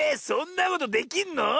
そんなことできんの？